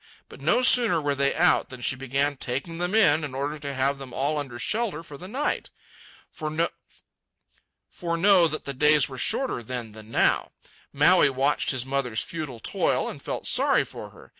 But no sooner were they out, than she began taking them in, in order to have them all under shelter for the night. For know that the days were shorter then than now. Maui watched his mother's futile toil and felt sorry for her.